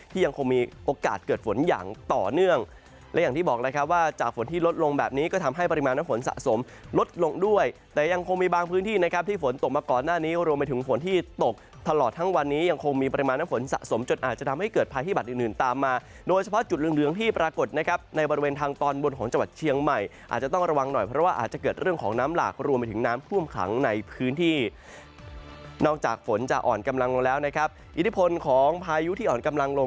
ที่ยังคงมีโอกาสเกิดฝนอย่างต่อเนื่องและอย่างที่บอกแล้วครับว่าจากฝนที่ลดลงแบบนี้ก็ทำให้ปริมาณน้ำฝนสะสมลดลงด้วยแต่ยังคงมีบางพื้นที่นะครับที่ฝนตกมาก่อนหน้านี้รวมไปถึงฝนที่ตกทั้งวันนี้ยังคงมีปริมาณน้ำฝนสะสมจนอาจจะทำให้เกิดพายุที่บัตรอื่นอื่นตามมาโดยเฉพาะจุ